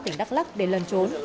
tỉnh đắk lắc để lần trốn